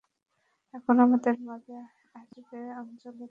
এখন আমাদের মাঝে আসবে আঞ্জলি খান্না।